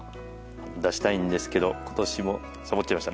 出したいんですけど今年もサボってました。